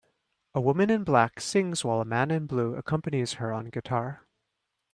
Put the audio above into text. A woman in black sings while a man in blue accompanies her on guitar.